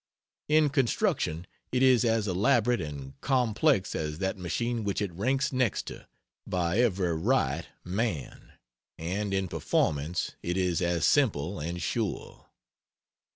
In construction it is as elaborate and complex as that machine which it ranks next to, by every right Man and in performance it is as simple and sure.